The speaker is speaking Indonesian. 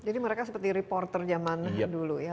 jadi mereka seperti reporter zaman dulu ya